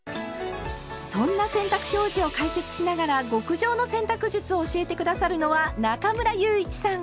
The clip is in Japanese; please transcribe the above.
そんな洗濯表示を解説しながら極上の洗濯術を教えて下さるのは中村祐一さん。